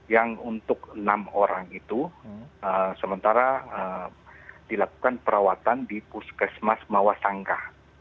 yang untuk enam orang itu sementara dilakukan perawatan di puskesmas mawasangka